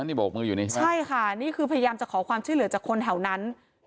นี่โบกมืออยู่นี่ใช่ไหมใช่ค่ะนี่คือพยายามจะขอความช่วยเหลือจากคนแถวนั้น